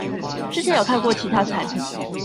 之前有看過其他產品